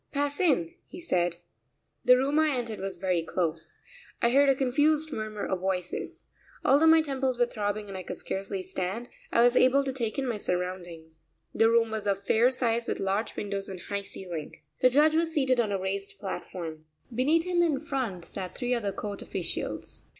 "Pass in," he said. The room I entered was very close. I heard a confused murmur of voices. Although my temples were throbbing and I could scarcely stand, I was able to take in my surroundings. The room was of fair size with large windows and high ceiling. The judge was seated on a raised platform. Beneath him in front sat three other court officials.